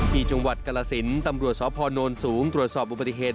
ที่จังหวัดกรสินตำรวจสพนสูงตรวจสอบอุบัติเหตุ